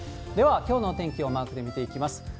ではきょうの天気をマークで見ていきます。